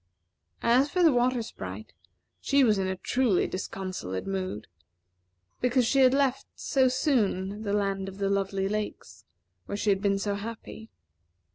As for the Water Sprite, she was in a truly disconsolate mood, because she had left so soon the Land of the Lovely Lakes, where she had been so happy.